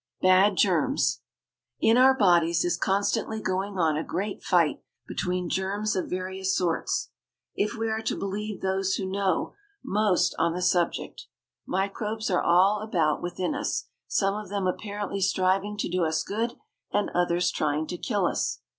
BAD GERMS. In our bodies is constantly going on a great fight between germs of various sorts, if we are to believe those who know most on the subject. Microbes are all about within us, some of them apparently striving to do us good and others trying to kill us.